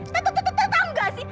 tentu tentu tentu tau gak sih